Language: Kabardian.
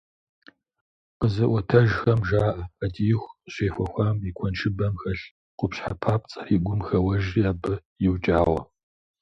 Къэзыӏуэтэжхэм жаӏэ, ӏэдииху къыщехуэхам и куэншыбэм хэлъ къупщхьэ папцӏэр и гум хэуэжри, абы иукӏауэ.